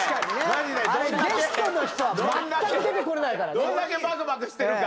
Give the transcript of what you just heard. どれだけバクバクしてるか。